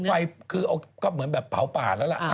ไฟคือเอาก็เหมือนแบบเผาป่าแล้วล่ะ